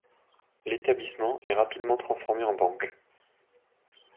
L'établissement est rapidement transformé en banque.